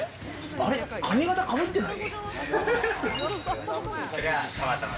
髪形かぶってない？